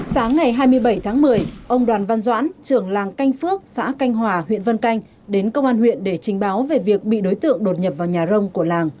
sáng ngày hai mươi bảy tháng một mươi ông đoàn văn doãn trưởng làng canh phước xã canh hòa huyện vân canh đến công an huyện để trình báo về việc bị đối tượng đột nhập vào nhà rông của làng